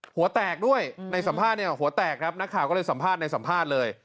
หัวแตกด้วยในสัมภาษณ์เนี่ยหัวแตกครับนักข่าวก็เลยสัมภาษณ์ในสัมภาษณ์เลย